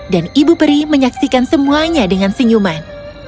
dan ibu peri menyaksikan semuanya dengan senyuman